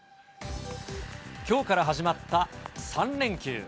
きょうから始まった３連休。